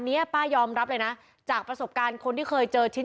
ป้ายอมรับเลยนะจากประสบการณ์คนที่เคยเจอชิ้น